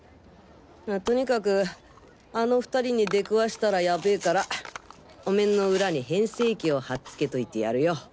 とにかくあの２人に出くわしたらヤベーからお面のウラに変声機をはっつけといてやるよ。